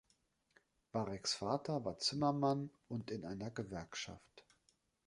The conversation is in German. Bareks Vater war Zimmermann und in einer Gewerkschaft.